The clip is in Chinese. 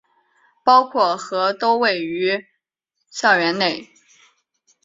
包括和都位于校园内。